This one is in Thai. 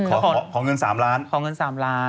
อืมขอขอเกิน๓ล้าน